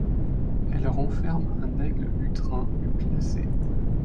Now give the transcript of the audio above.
Elle renferme un aigle-lutrin du classé.